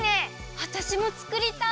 わたしもつくりたい！